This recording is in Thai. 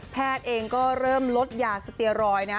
แพทย์เองก็เริ่มลดยาสเตียรอยด์นะ